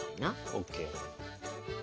ＯＫ。